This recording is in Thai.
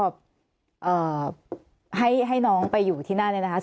คุณพ่อให้น้องไปอยู่ที่นั่นเลยนะคะ